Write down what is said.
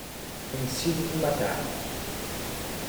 Tem sido uma tarde.